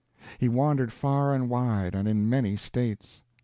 He wandered far and wide and in many states.